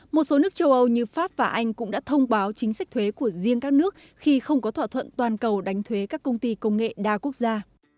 một số nước châu âu như pháp và anh cũng đã thông báo chính sách thuế của riêng các nước khi không có thỏa thuận toàn cầu đánh thuế các công ty công nghệ đa quốc gia